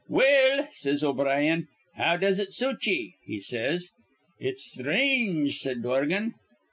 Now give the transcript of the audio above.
'Well,' says O'Brien, 'how does it suit ye?' he says. 'It's sthrange,' says Dorgan.